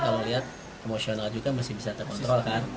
kalau lihat emosional juga masih bisa terkontrol kan